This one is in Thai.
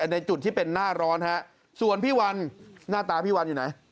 ในจุดที่เป็นหน้าร้อนฮะส่วนพี่วันหน้าตาพี่วันอยู่ไหน